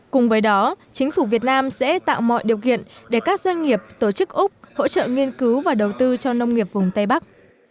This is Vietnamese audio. cùng với đó chính phủ việt nam sẽ tạo mọi điều kiện để các doanh nghiệp tổ chức úc hỗ trợ nghiên cứu và đầu tư cho nông nghiệp vùng tây bắc